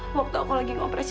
waktu aku lagi ngoperasi